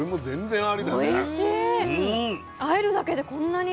あえるだけでこんなに。